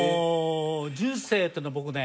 人生っていうのは僕ね